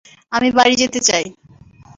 আমি বাড়ি যেতে চাই!